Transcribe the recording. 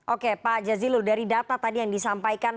oke pak jazilul dari data tadi yang disampaikan